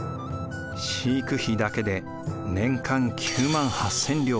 飼育費だけで年間９８０００両